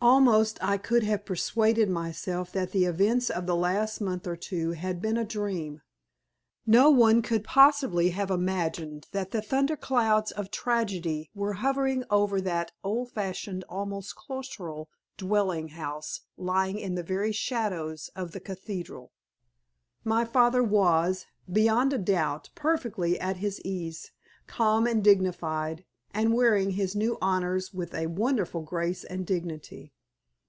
Almost I could have persuaded myself that the events of the last month or two had been a dream. No one could possibly have imagined that the thunderclouds of tragedy were hovering over that old fashioned, almost cloistral, dwelling house lying in the very shadows of the cathedral. My father was, beyond a doubt, perfectly at his ease, calm and dignified, and wearing his new honors with a wonderful grace and dignity.